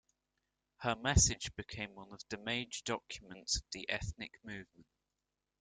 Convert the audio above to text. Her message became one of the major documents of the "ethnic movement".